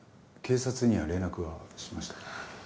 警察には連絡はしましたか？